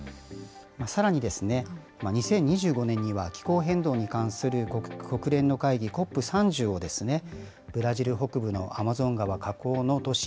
さらに２０２５年には、気候変動に関する国連の会議、ＣＯＰ３０をブラジル北部のアマゾン川河口の都市